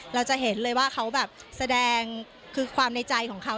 เราจะเห็นเลยว่าเขาแบบแสดงคือความในใจของเขา